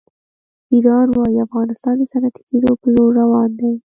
ایران وایي افغانستان د صنعتي کېدو په لور روان دی.